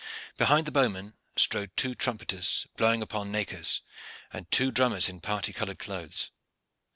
Behind the bowmen strode two trumpeters blowing upon nakirs, and two drummers in parti colored clothes.